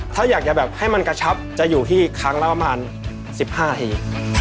ถ้าอยากจะแบบให้มันกระชับจะอยู่ที่ครั้งละประมาณ๑๕ที